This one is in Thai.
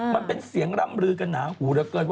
มันได้เสียงลำลือกันหูเยอะแล้วเกิน